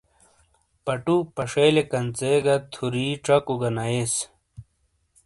پٹو ، پشیلٸے کنژے گہ تھُوری ژکوگہ نٸیس